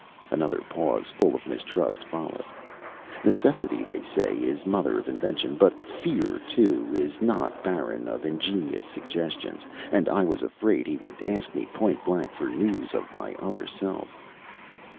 Another pause full of mistrust followed. Necessity, they say, is mother of invention, but fear, too, is not barren of ingenious suggestions. And I was afraid he would ask me point blank for news of my other self.